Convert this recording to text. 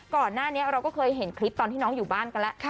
ก่อนหน้านี้เราก็เคยเห็นคลิปตอนที่น้องอยู่บ้านกันแล้ว